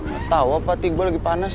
gak tau apa hati gue lagi panas